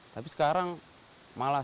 tapi sekarang malah